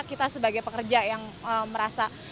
kita sebagai pekerja yang merasa